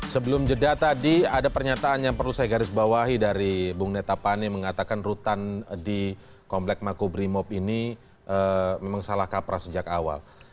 sebelum jeda tadi ada pernyataan yang perlu saya garis bawahi dari bung neta pane mengatakan rutan di komplek makubrimob ini memang salah kaprah sejak awal